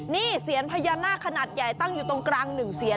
นี่เสียญพญานาคขนาดใหญ่ตั้งอยู่ตรงกลาง๑เสียน